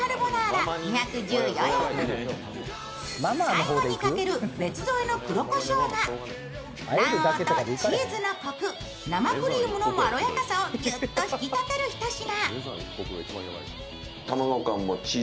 最後にかける別添えの黒こしょうが卵黄とチーズのコク、生クリームのまろやかさをギュッと引き立てるひと品。